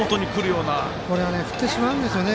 これ振ってしまうんですよね